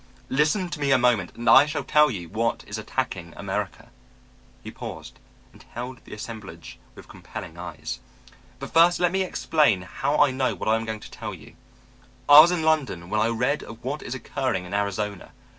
Listen to me a moment and I shall tell you what is attacking America." He paused and held the assemblage with compelling eyes. "But first let me explain how I know what I am going to tell you. I was in London when I read of what is occurring in Arizona.